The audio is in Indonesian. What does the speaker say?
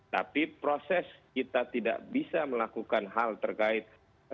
tapi proses kita tidak bisa melakukan hal terkait